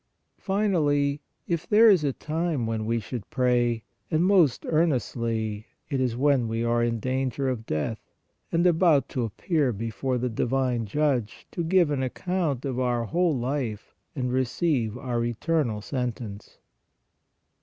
Finally, if there is a time when we should pray, and pray most ear nestly, it is when we are in danger of death, and about to appear before the divine Judge to give an account of our whole life and receive our eternal sentence